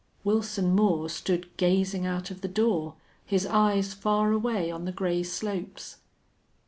Wilson Moore stood gazing out of the door, his eyes far away on the gray slopes.